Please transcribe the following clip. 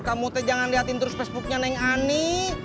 kamu jangan lihatin terus facebooknya neng ani